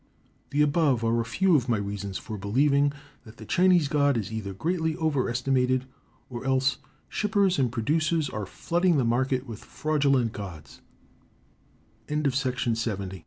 The above are a few of my reasons for believing that the Chinese god is either greatly over estimated, or else shippers and producers are flooding the market with fraudulent g